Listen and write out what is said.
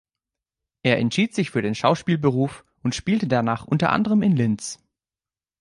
Er entschied sich für den Schauspielerberuf und spielte danach unter anderem in Linz.